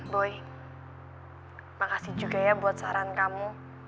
boy makasih juga ya buat saran kamu